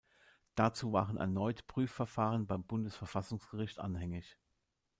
Dazu waren erneut Prüfverfahren beim Bundesverfassungsgericht anhängig.